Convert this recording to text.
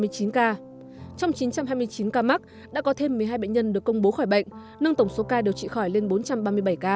trong chín trăm hai mươi chín ca mắc đã có thêm một mươi hai bệnh nhân được công bố khỏi bệnh nâng tổng số ca điều trị khỏi lên bốn trăm ba mươi bảy ca